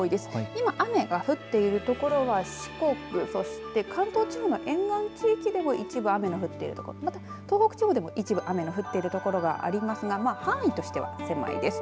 今、雨が降っている所は四国、そして関東地方の沿岸地域でも一部雨が降ってる所東北地方も一部雨が降ってる所はありますが範囲としては狭いです。